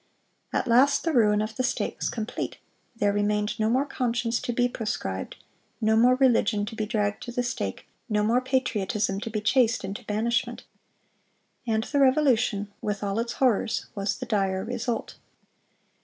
At last the ruin of the state was complete; there remained no more conscience to be proscribed; no more religion to be dragged to the stake; no more patriotism to be chased into banishment."(414) And the Revolution, with all its horrors, was the dire result.